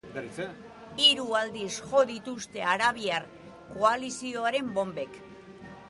Hiru aldiz jo dituzte arabiar koalizioaren bonbek.